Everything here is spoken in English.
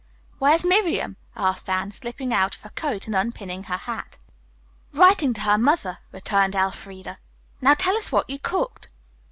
"Where's Miriam?" asked Anne, slipping out of her coat and unpinning her hat. "Writing to her mother," returned Elfreda. "Now tell us what you cooked."